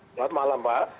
selamat malam pak